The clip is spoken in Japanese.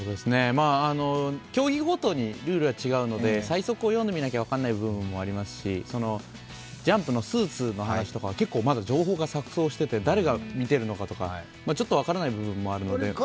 競技ごとにルールは違うので、細則を読んでみないと分からない部分はありますがジャンプのスーツの話とかは結構まだ情報が錯そうしていて誰が見ているのかとか、ちょっと分からない部分もあるので。